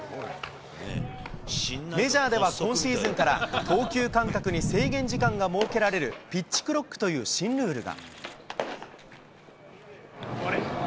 メジャーでは今シーズンから投球間隔に制限時間が設けられるピッチクロックという新ルールが。